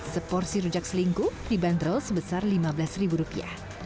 seporsi rujak selingkuh di bandrol sebesar lima belas rupiah